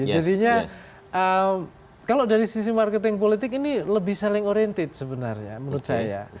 jadinya kalau dari sisi marketing politik ini lebih saling oriented sebenarnya menurut saya